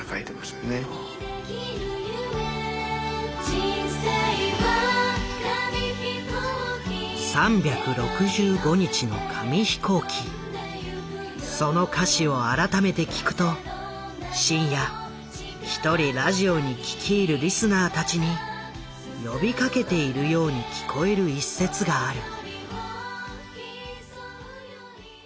「人生は紙飛行機」「３６５日の紙飛行機」その歌詞を改めて聴くと深夜１人ラジオに聞き入るリスナーたちに呼びかけているように聞こえる一節がある。